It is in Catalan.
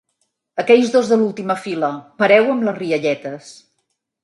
Aquells dos de l'última fila, pareu amb les rialletes!